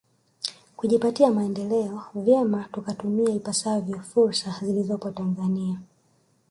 Kujipatia maendeleo vyema tukatumia ipasavyo fursa zilizopo Tanzania